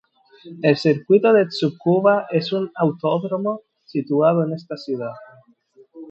El Circuito de Tsukuba es un autódromo situado en esta ciudad.